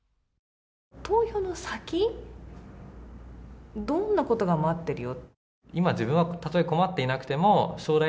投票の先、どんなことが待ってるよ？